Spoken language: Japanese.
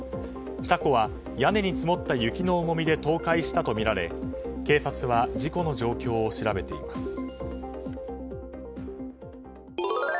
車庫は屋根に積もった雪の重みで倒壊したとみられ警察は事故の状況を調べています。